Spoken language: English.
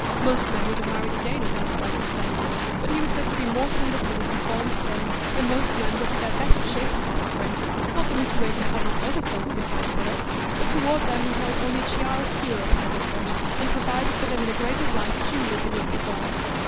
Most men would have married again under his circumstances, but he was said to be more tender to his deformed son than most men were to their best shapen offspring. Not that Mr Wakem had not other sons beside Philip; but toward them he held only a chiaroscuro parentage, and provided for them in a grade of life duly beneath his own.